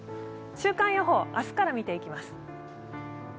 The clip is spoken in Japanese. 週間予報、明日から見ていきます。